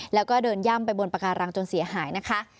แล้วก็เดินย่ำไปบนปาการังจนเสียหายนะคะ